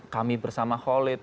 kami bersama khalid